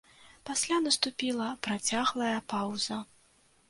Пасля наступіла працяглая паўза.